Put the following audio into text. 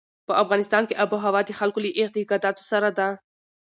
په افغانستان کې آب وهوا د خلکو له اعتقاداتو سره ده.